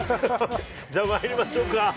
じゃあまいりましょうか。